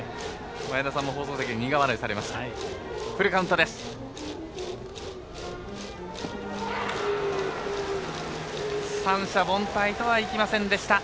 前田さんも放送席で苦笑いされました。